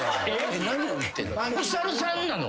お猿さんなの？